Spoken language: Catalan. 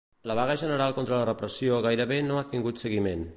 La vaga general contra la repressió gairebé no ha tingut seguiment.